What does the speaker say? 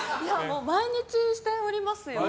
毎日しておりますよ。